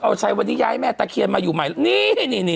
เอาชัยวันนี้ย้ายแม่ตะเคียนมาอยู่ใหม่นี่